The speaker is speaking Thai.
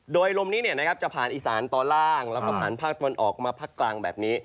โดยลมนี้จะผ่านอีสานตอนล่างแล้วก็ผ่านภาคตะวันออกมาภาคกลางแบบนี้